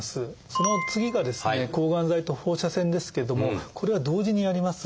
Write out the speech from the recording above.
その次が「抗がん剤」と「放射線」ですけどもこれは同時にやります。